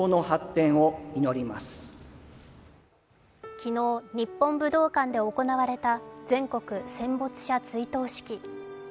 昨日、日本武道館で行われた全国戦没者追悼式。